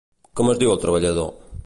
Com es diu el treballador?